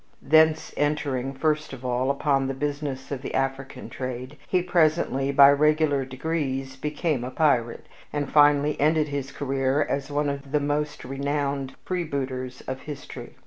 Thence entering, first of all, upon the business of the African trade, he presently, by regular degrees, became a pirate, and finally ended his career as one of the most renowned freebooters of history.